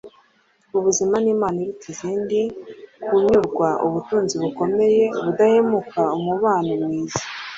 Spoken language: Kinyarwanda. Ubuzima nimpano iruta izindi, kunyurwa ubutunzi bukomeye, ubudahemuka umubano mwiza